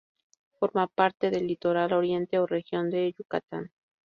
Forma parte del "Litoral Oriente" o Región I de Yucatán.